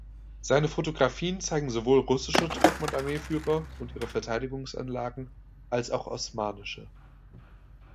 Seine Fotografien zeigen sowohl russische Truppen und Armeeführer und ihre Verteidigungsanlagen als auch osmanische.